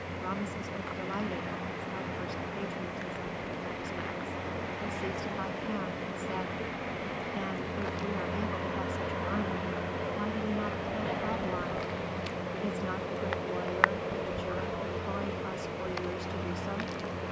Rameses was delighted at this outburst of patriotism in Mentezufis. He seized him by the hand, and said, "Then, if we are able to have such an army, why do we not attack Babylon? Is not the great warrior Nitager imploring us for years to do so?